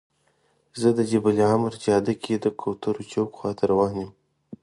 زه د جبل العمر جاده کې د کوترو چوک خواته روان یم.